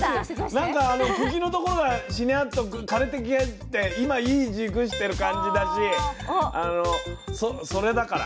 なんか茎のところがしなっと枯れてきて今いい熟してる感じだしあのそれだから。